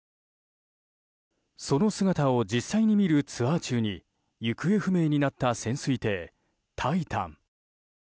その姿を実際に見るツアー中に行方不明になった潜水艇「タイタン」。